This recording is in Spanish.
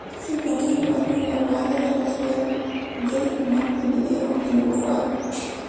Se encuentra en el barrio La Aguada de la ciudad de Montevideo en Uruguay.